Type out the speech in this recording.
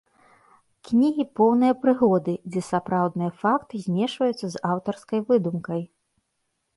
Кнігі поўныя прыгоды, дзе сапраўдныя факты змешваюцца з аўтарскай выдумкай.